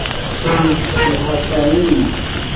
بِنتالحسنی